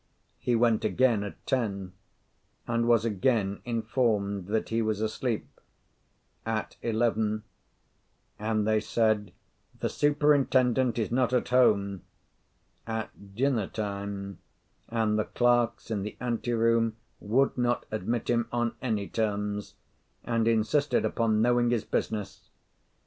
He went again at ten and was again informed that he was asleep; at eleven, and they said: "The superintendent is not at home;" at dinner time, and the clerks in the ante room would not admit him on any terms, and insisted upon knowing his business.